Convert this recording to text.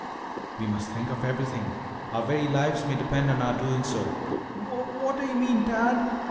"We must think of everything. Our very lives may depend on our doing so." "Wha what do you mean, Tad?"